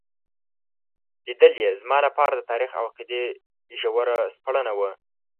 لیدل یې زما لپاره د تاریخ او عقیدې ژوره سپړنه وه.